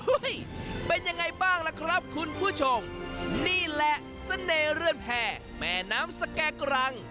เป็นยังไงบ้างล่ะครับคุณผู้ชมนี่แหละเสน่ห์เรือนแพร่แม่น้ำสแก่กรัง